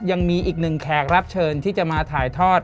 ยังมีอีกหนึ่งแขกรับเชิญที่จะมาถ่ายทอด